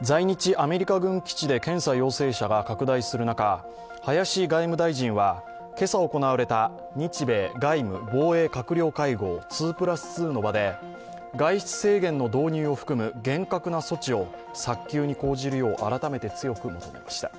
在日アメリカ軍基地で検査陽性者が拡大する中、林外務大臣は、今朝行われた日米外務・防衛閣僚会合＝２＋２の場で外出制限の導入を含む厳格な措置を早急に講じるよう改めて強く求めました。